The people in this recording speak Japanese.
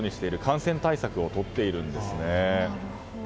感染対策をとっているんですね。